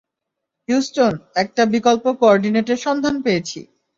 Houston, একটা বিকল্প কো-অর্ডিনেটের সন্ধান পেয়েছি!